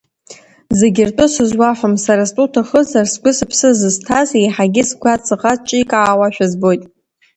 Зегьы ртәы сызуаҳәом, сара стәы уҭахызар, сгәы-сыԥсы зысҭаз еиҳагьы сгәаҵӷа ҿикаауа-шәа збоит.